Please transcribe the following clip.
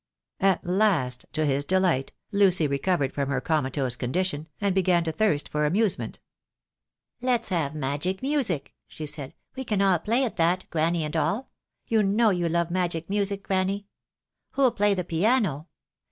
At last, to his delight, Lucy recovered from her coma tose condition, and began to thirst for amusement. "Let's have magic music," she said, "we can all play at that, Granny and all. You know you love magic music, Granny. Who'll play the piano?